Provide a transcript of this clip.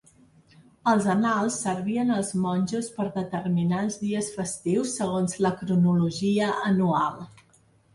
Els annals servien als monjos per determinar els dies festius segons la cronologia anual.